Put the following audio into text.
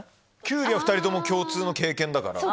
きゅうりは２人とも共通の経験だから。